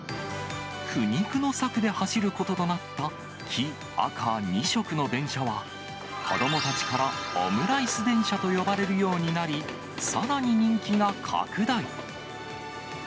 苦肉の策で走ることとなった、黄、赤、２色の電車は、子どもたちからオムライス電車と呼ばれるようになり、さらに人気が拡大。